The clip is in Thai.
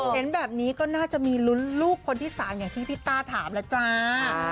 เห็นแบบนี้ก็น่าจะมีลุ้นลูกคนที่๓อย่างที่พี่ต้าถามแล้วจ้า